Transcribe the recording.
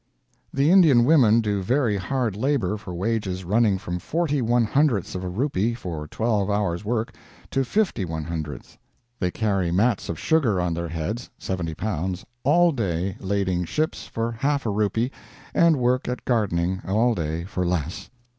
The Indian women do very hard labor for wages running from 40 one hundredths of a rupee for twelve hours' work to 50 one hundredths of a rupee. They carry mats of sugar on their heads (70 pounds) all day lading ships, for half a rupee, and work at gardening all day for less.